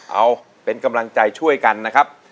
เอาเป็นกำลังใจช่วยกันนะครับ